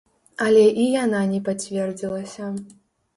Але і яна не пацвердзілася.